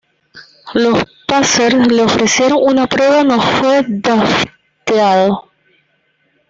Los Pacers le ofrecieron una prueba, no fue drafteado.